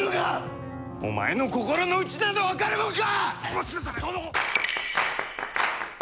お前の心のうちなど分かるもんか！